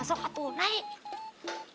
sok atu naik